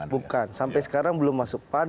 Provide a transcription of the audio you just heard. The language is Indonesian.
bukan sampai sekarang belum masuk pan